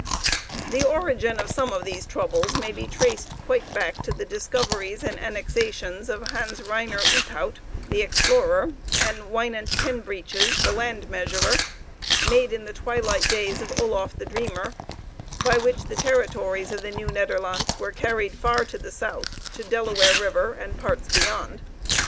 The origin of some of these troubles may be traced quite back to the discoveries and annexations of Hans Reinier Oothout, the explorer, and Wynant Ten Breeches, the land measurer, made in the twilight days of Oloffe the Dreamer, by which the territories of the Nieuw Nederlandts were carried far to the south, to Delaware River and parts beyond.